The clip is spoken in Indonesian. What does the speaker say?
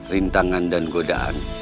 rintangan dan godaan